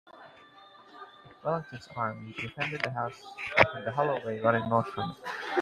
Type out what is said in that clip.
Wellington's army defended the house and the hollow way running north from it.